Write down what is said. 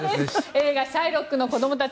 映画「シャイロックの子供たち」